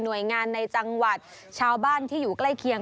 โดยงานในจังหวัดชาวบ้านที่อยู่ใกล้เคียง